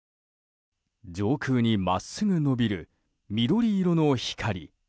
上空に真っすぐ伸びる緑色の光。